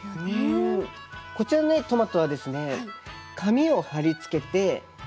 こちらのトマトはですね